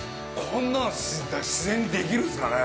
こんなの自然にできるんすかね。